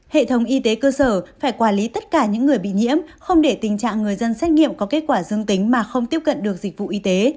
hệ thống y tế cơ sở phải quản lý tất cả những người bị nhiễm không để tình trạng người dân xét nghiệm có kết quả dương tính mà không tiếp cận được dịch vụ y tế